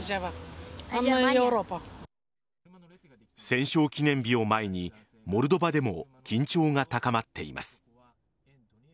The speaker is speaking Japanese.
戦勝記念日を前にモルドバでも緊張が高まっています。